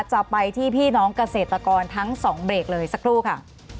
จะไปที่พี่น้องเกษตรกรทั้งสองเบรกเลยสักครู่ค่ะ